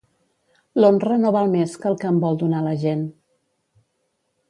L'honra no val més que el que en vol donar la gent